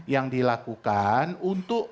yang dilakukan untuk